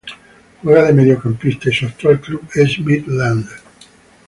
Juega de mediocampista y su actual club es Midland.